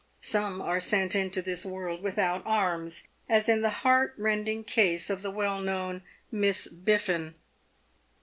Some are sent into this world without arms, as in the heartrending case of the well known Miss Biffin.